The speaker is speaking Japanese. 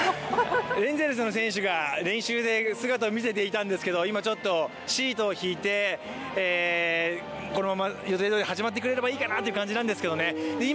エンゼルスの選手が練習で姿を見せていたんですけど今、ちょっとシートを敷いて予定どおり始まってくれればいいかなという感じなんですけどね。